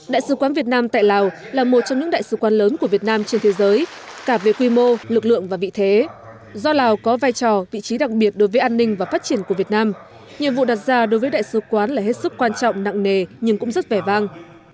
đại sứ quán việt nam tại lào là một trong những đại sứ quán lớn của việt nam trên thế giới cả về quy mô lực lượng và vị thế do lào có vai trò vị trí đặc biệt đối với an ninh và phát triển của việt nam nhiệm vụ đặt ra đối với đại sứ quán là hết sức quan trọng nặng nề nhưng cũng rất vẻ vang